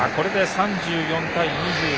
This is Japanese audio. ３４対２６。